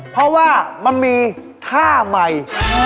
เพราะว่ามันมีท่าใหม่